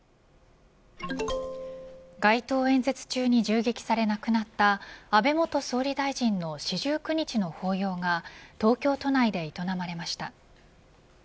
街頭演説中に銃撃され、亡くなった安倍元総理大臣の四十九日の法要が東京都内で営まれました。